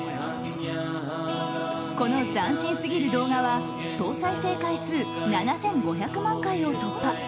この斬新すぎる動画は総再生回数７５００万回を突破。